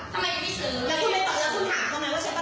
เชิญประจานให้เขาฟังหรือเปล่า